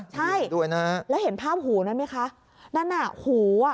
ใช่ด้วยนะฮะแล้วเห็นภาพหูนั้นไหมคะนั่นน่ะหูอ่ะ